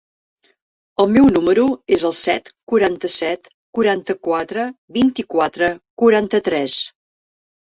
El meu número es el set, quaranta-set, quaranta-quatre, vint-i-quatre, quaranta-tres.